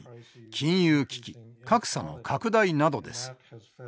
金融危機格差の拡大などです。